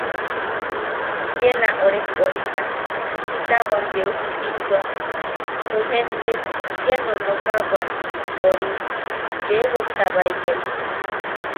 Kiala orek... orita... jita bwan yeu sisimtua... ju jente kia nonokabwan ori... yee womtabaikai.